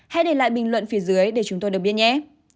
hãy để lại bình luận phía dưới để chúng tôi được biết nhé